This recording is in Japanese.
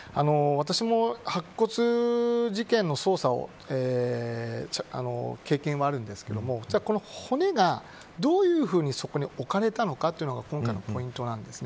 私も白骨事件の捜査を経験はあるんですがこの骨が、どういうふうにそこに置かれたのかというのが今回のポイントです。